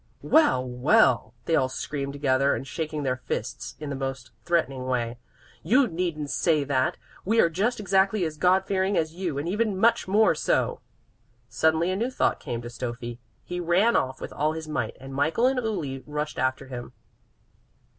"Well, well," they all screamed together, and shaking their fists in the most threatening way. "You needn't say that. We are just exactly as God fearing as you, and even much more so!" Suddenly a new thought came to Stöffi. He ran off with all his might, and Michael and Uli rushed after him.